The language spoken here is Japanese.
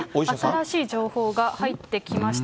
新しい情報が入ってきました。